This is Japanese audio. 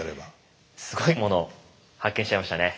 すごいものを発見しちゃいましたね。